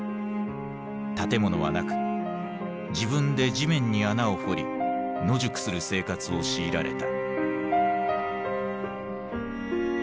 建物はなく自分で地面に穴を掘り野宿する生活を強いられた。